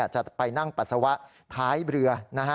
จะไปนั่งปัสสาวะท้ายเรือ